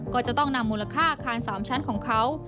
ก็จะต้องนำมูลค่าอาคาร๓ชั้นของเขา